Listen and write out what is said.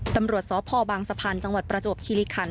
ตำรวจสพบางสะพานจังหวัดประจวบคิริคัน